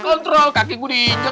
kontrol kaki gue diinjak